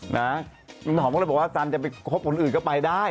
คุณหอมก็เลยบอกว่าสันจะไปคบคนอื่นก็ไปได้